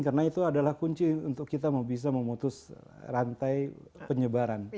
karena itu adalah kunci untuk kita bisa memutus rantai penyebaran covid sembilan belas